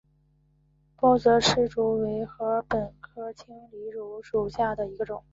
包箨矢竹为禾本科青篱竹属下的一个种。